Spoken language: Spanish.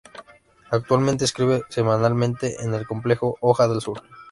Actualmente escribe semanalmente en el complemento "Hoja del Sur".